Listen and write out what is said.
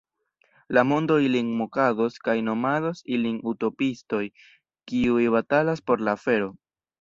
La mondo ilin mokados kaj nomados ilin utopiistoj, kiuj batalas por la afero.